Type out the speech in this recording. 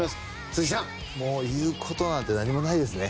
言うことなんて何もないですね。